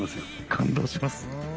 感動します？